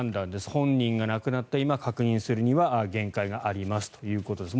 本人が亡くなった今確認するには限界がありますということです。